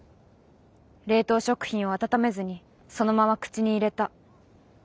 冷凍食品を温めずにそのまま口に入れた。